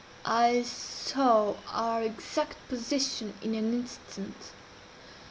I saw our exact position in an instant.